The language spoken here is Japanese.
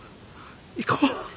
行こう！